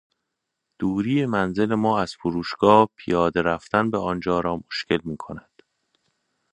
دوری منزل ما از فروشگاه پیاده رفتن به آنجا را مشکل میکند.